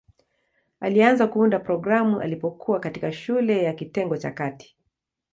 Alianza kuunda programu alipokuwa katikati shule ya kitengo cha kati.